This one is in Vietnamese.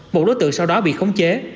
một đối tượng sau đó bị khống chế